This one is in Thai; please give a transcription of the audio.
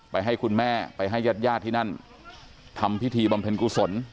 ไปให้คุณแม่ไปให้ญาติย่าที่นั้นทำพิธีบำเพนต์คุสล